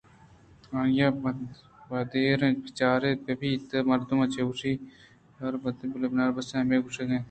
آئی ءَ بایدیں پجّارے بہ بیت ءُمردم چہ پوشاکءَ پجّارگ بنت بلئے بناربس ءِ ہمے گوٛشگ اِنت